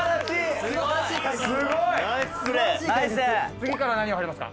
次から何が入りますか？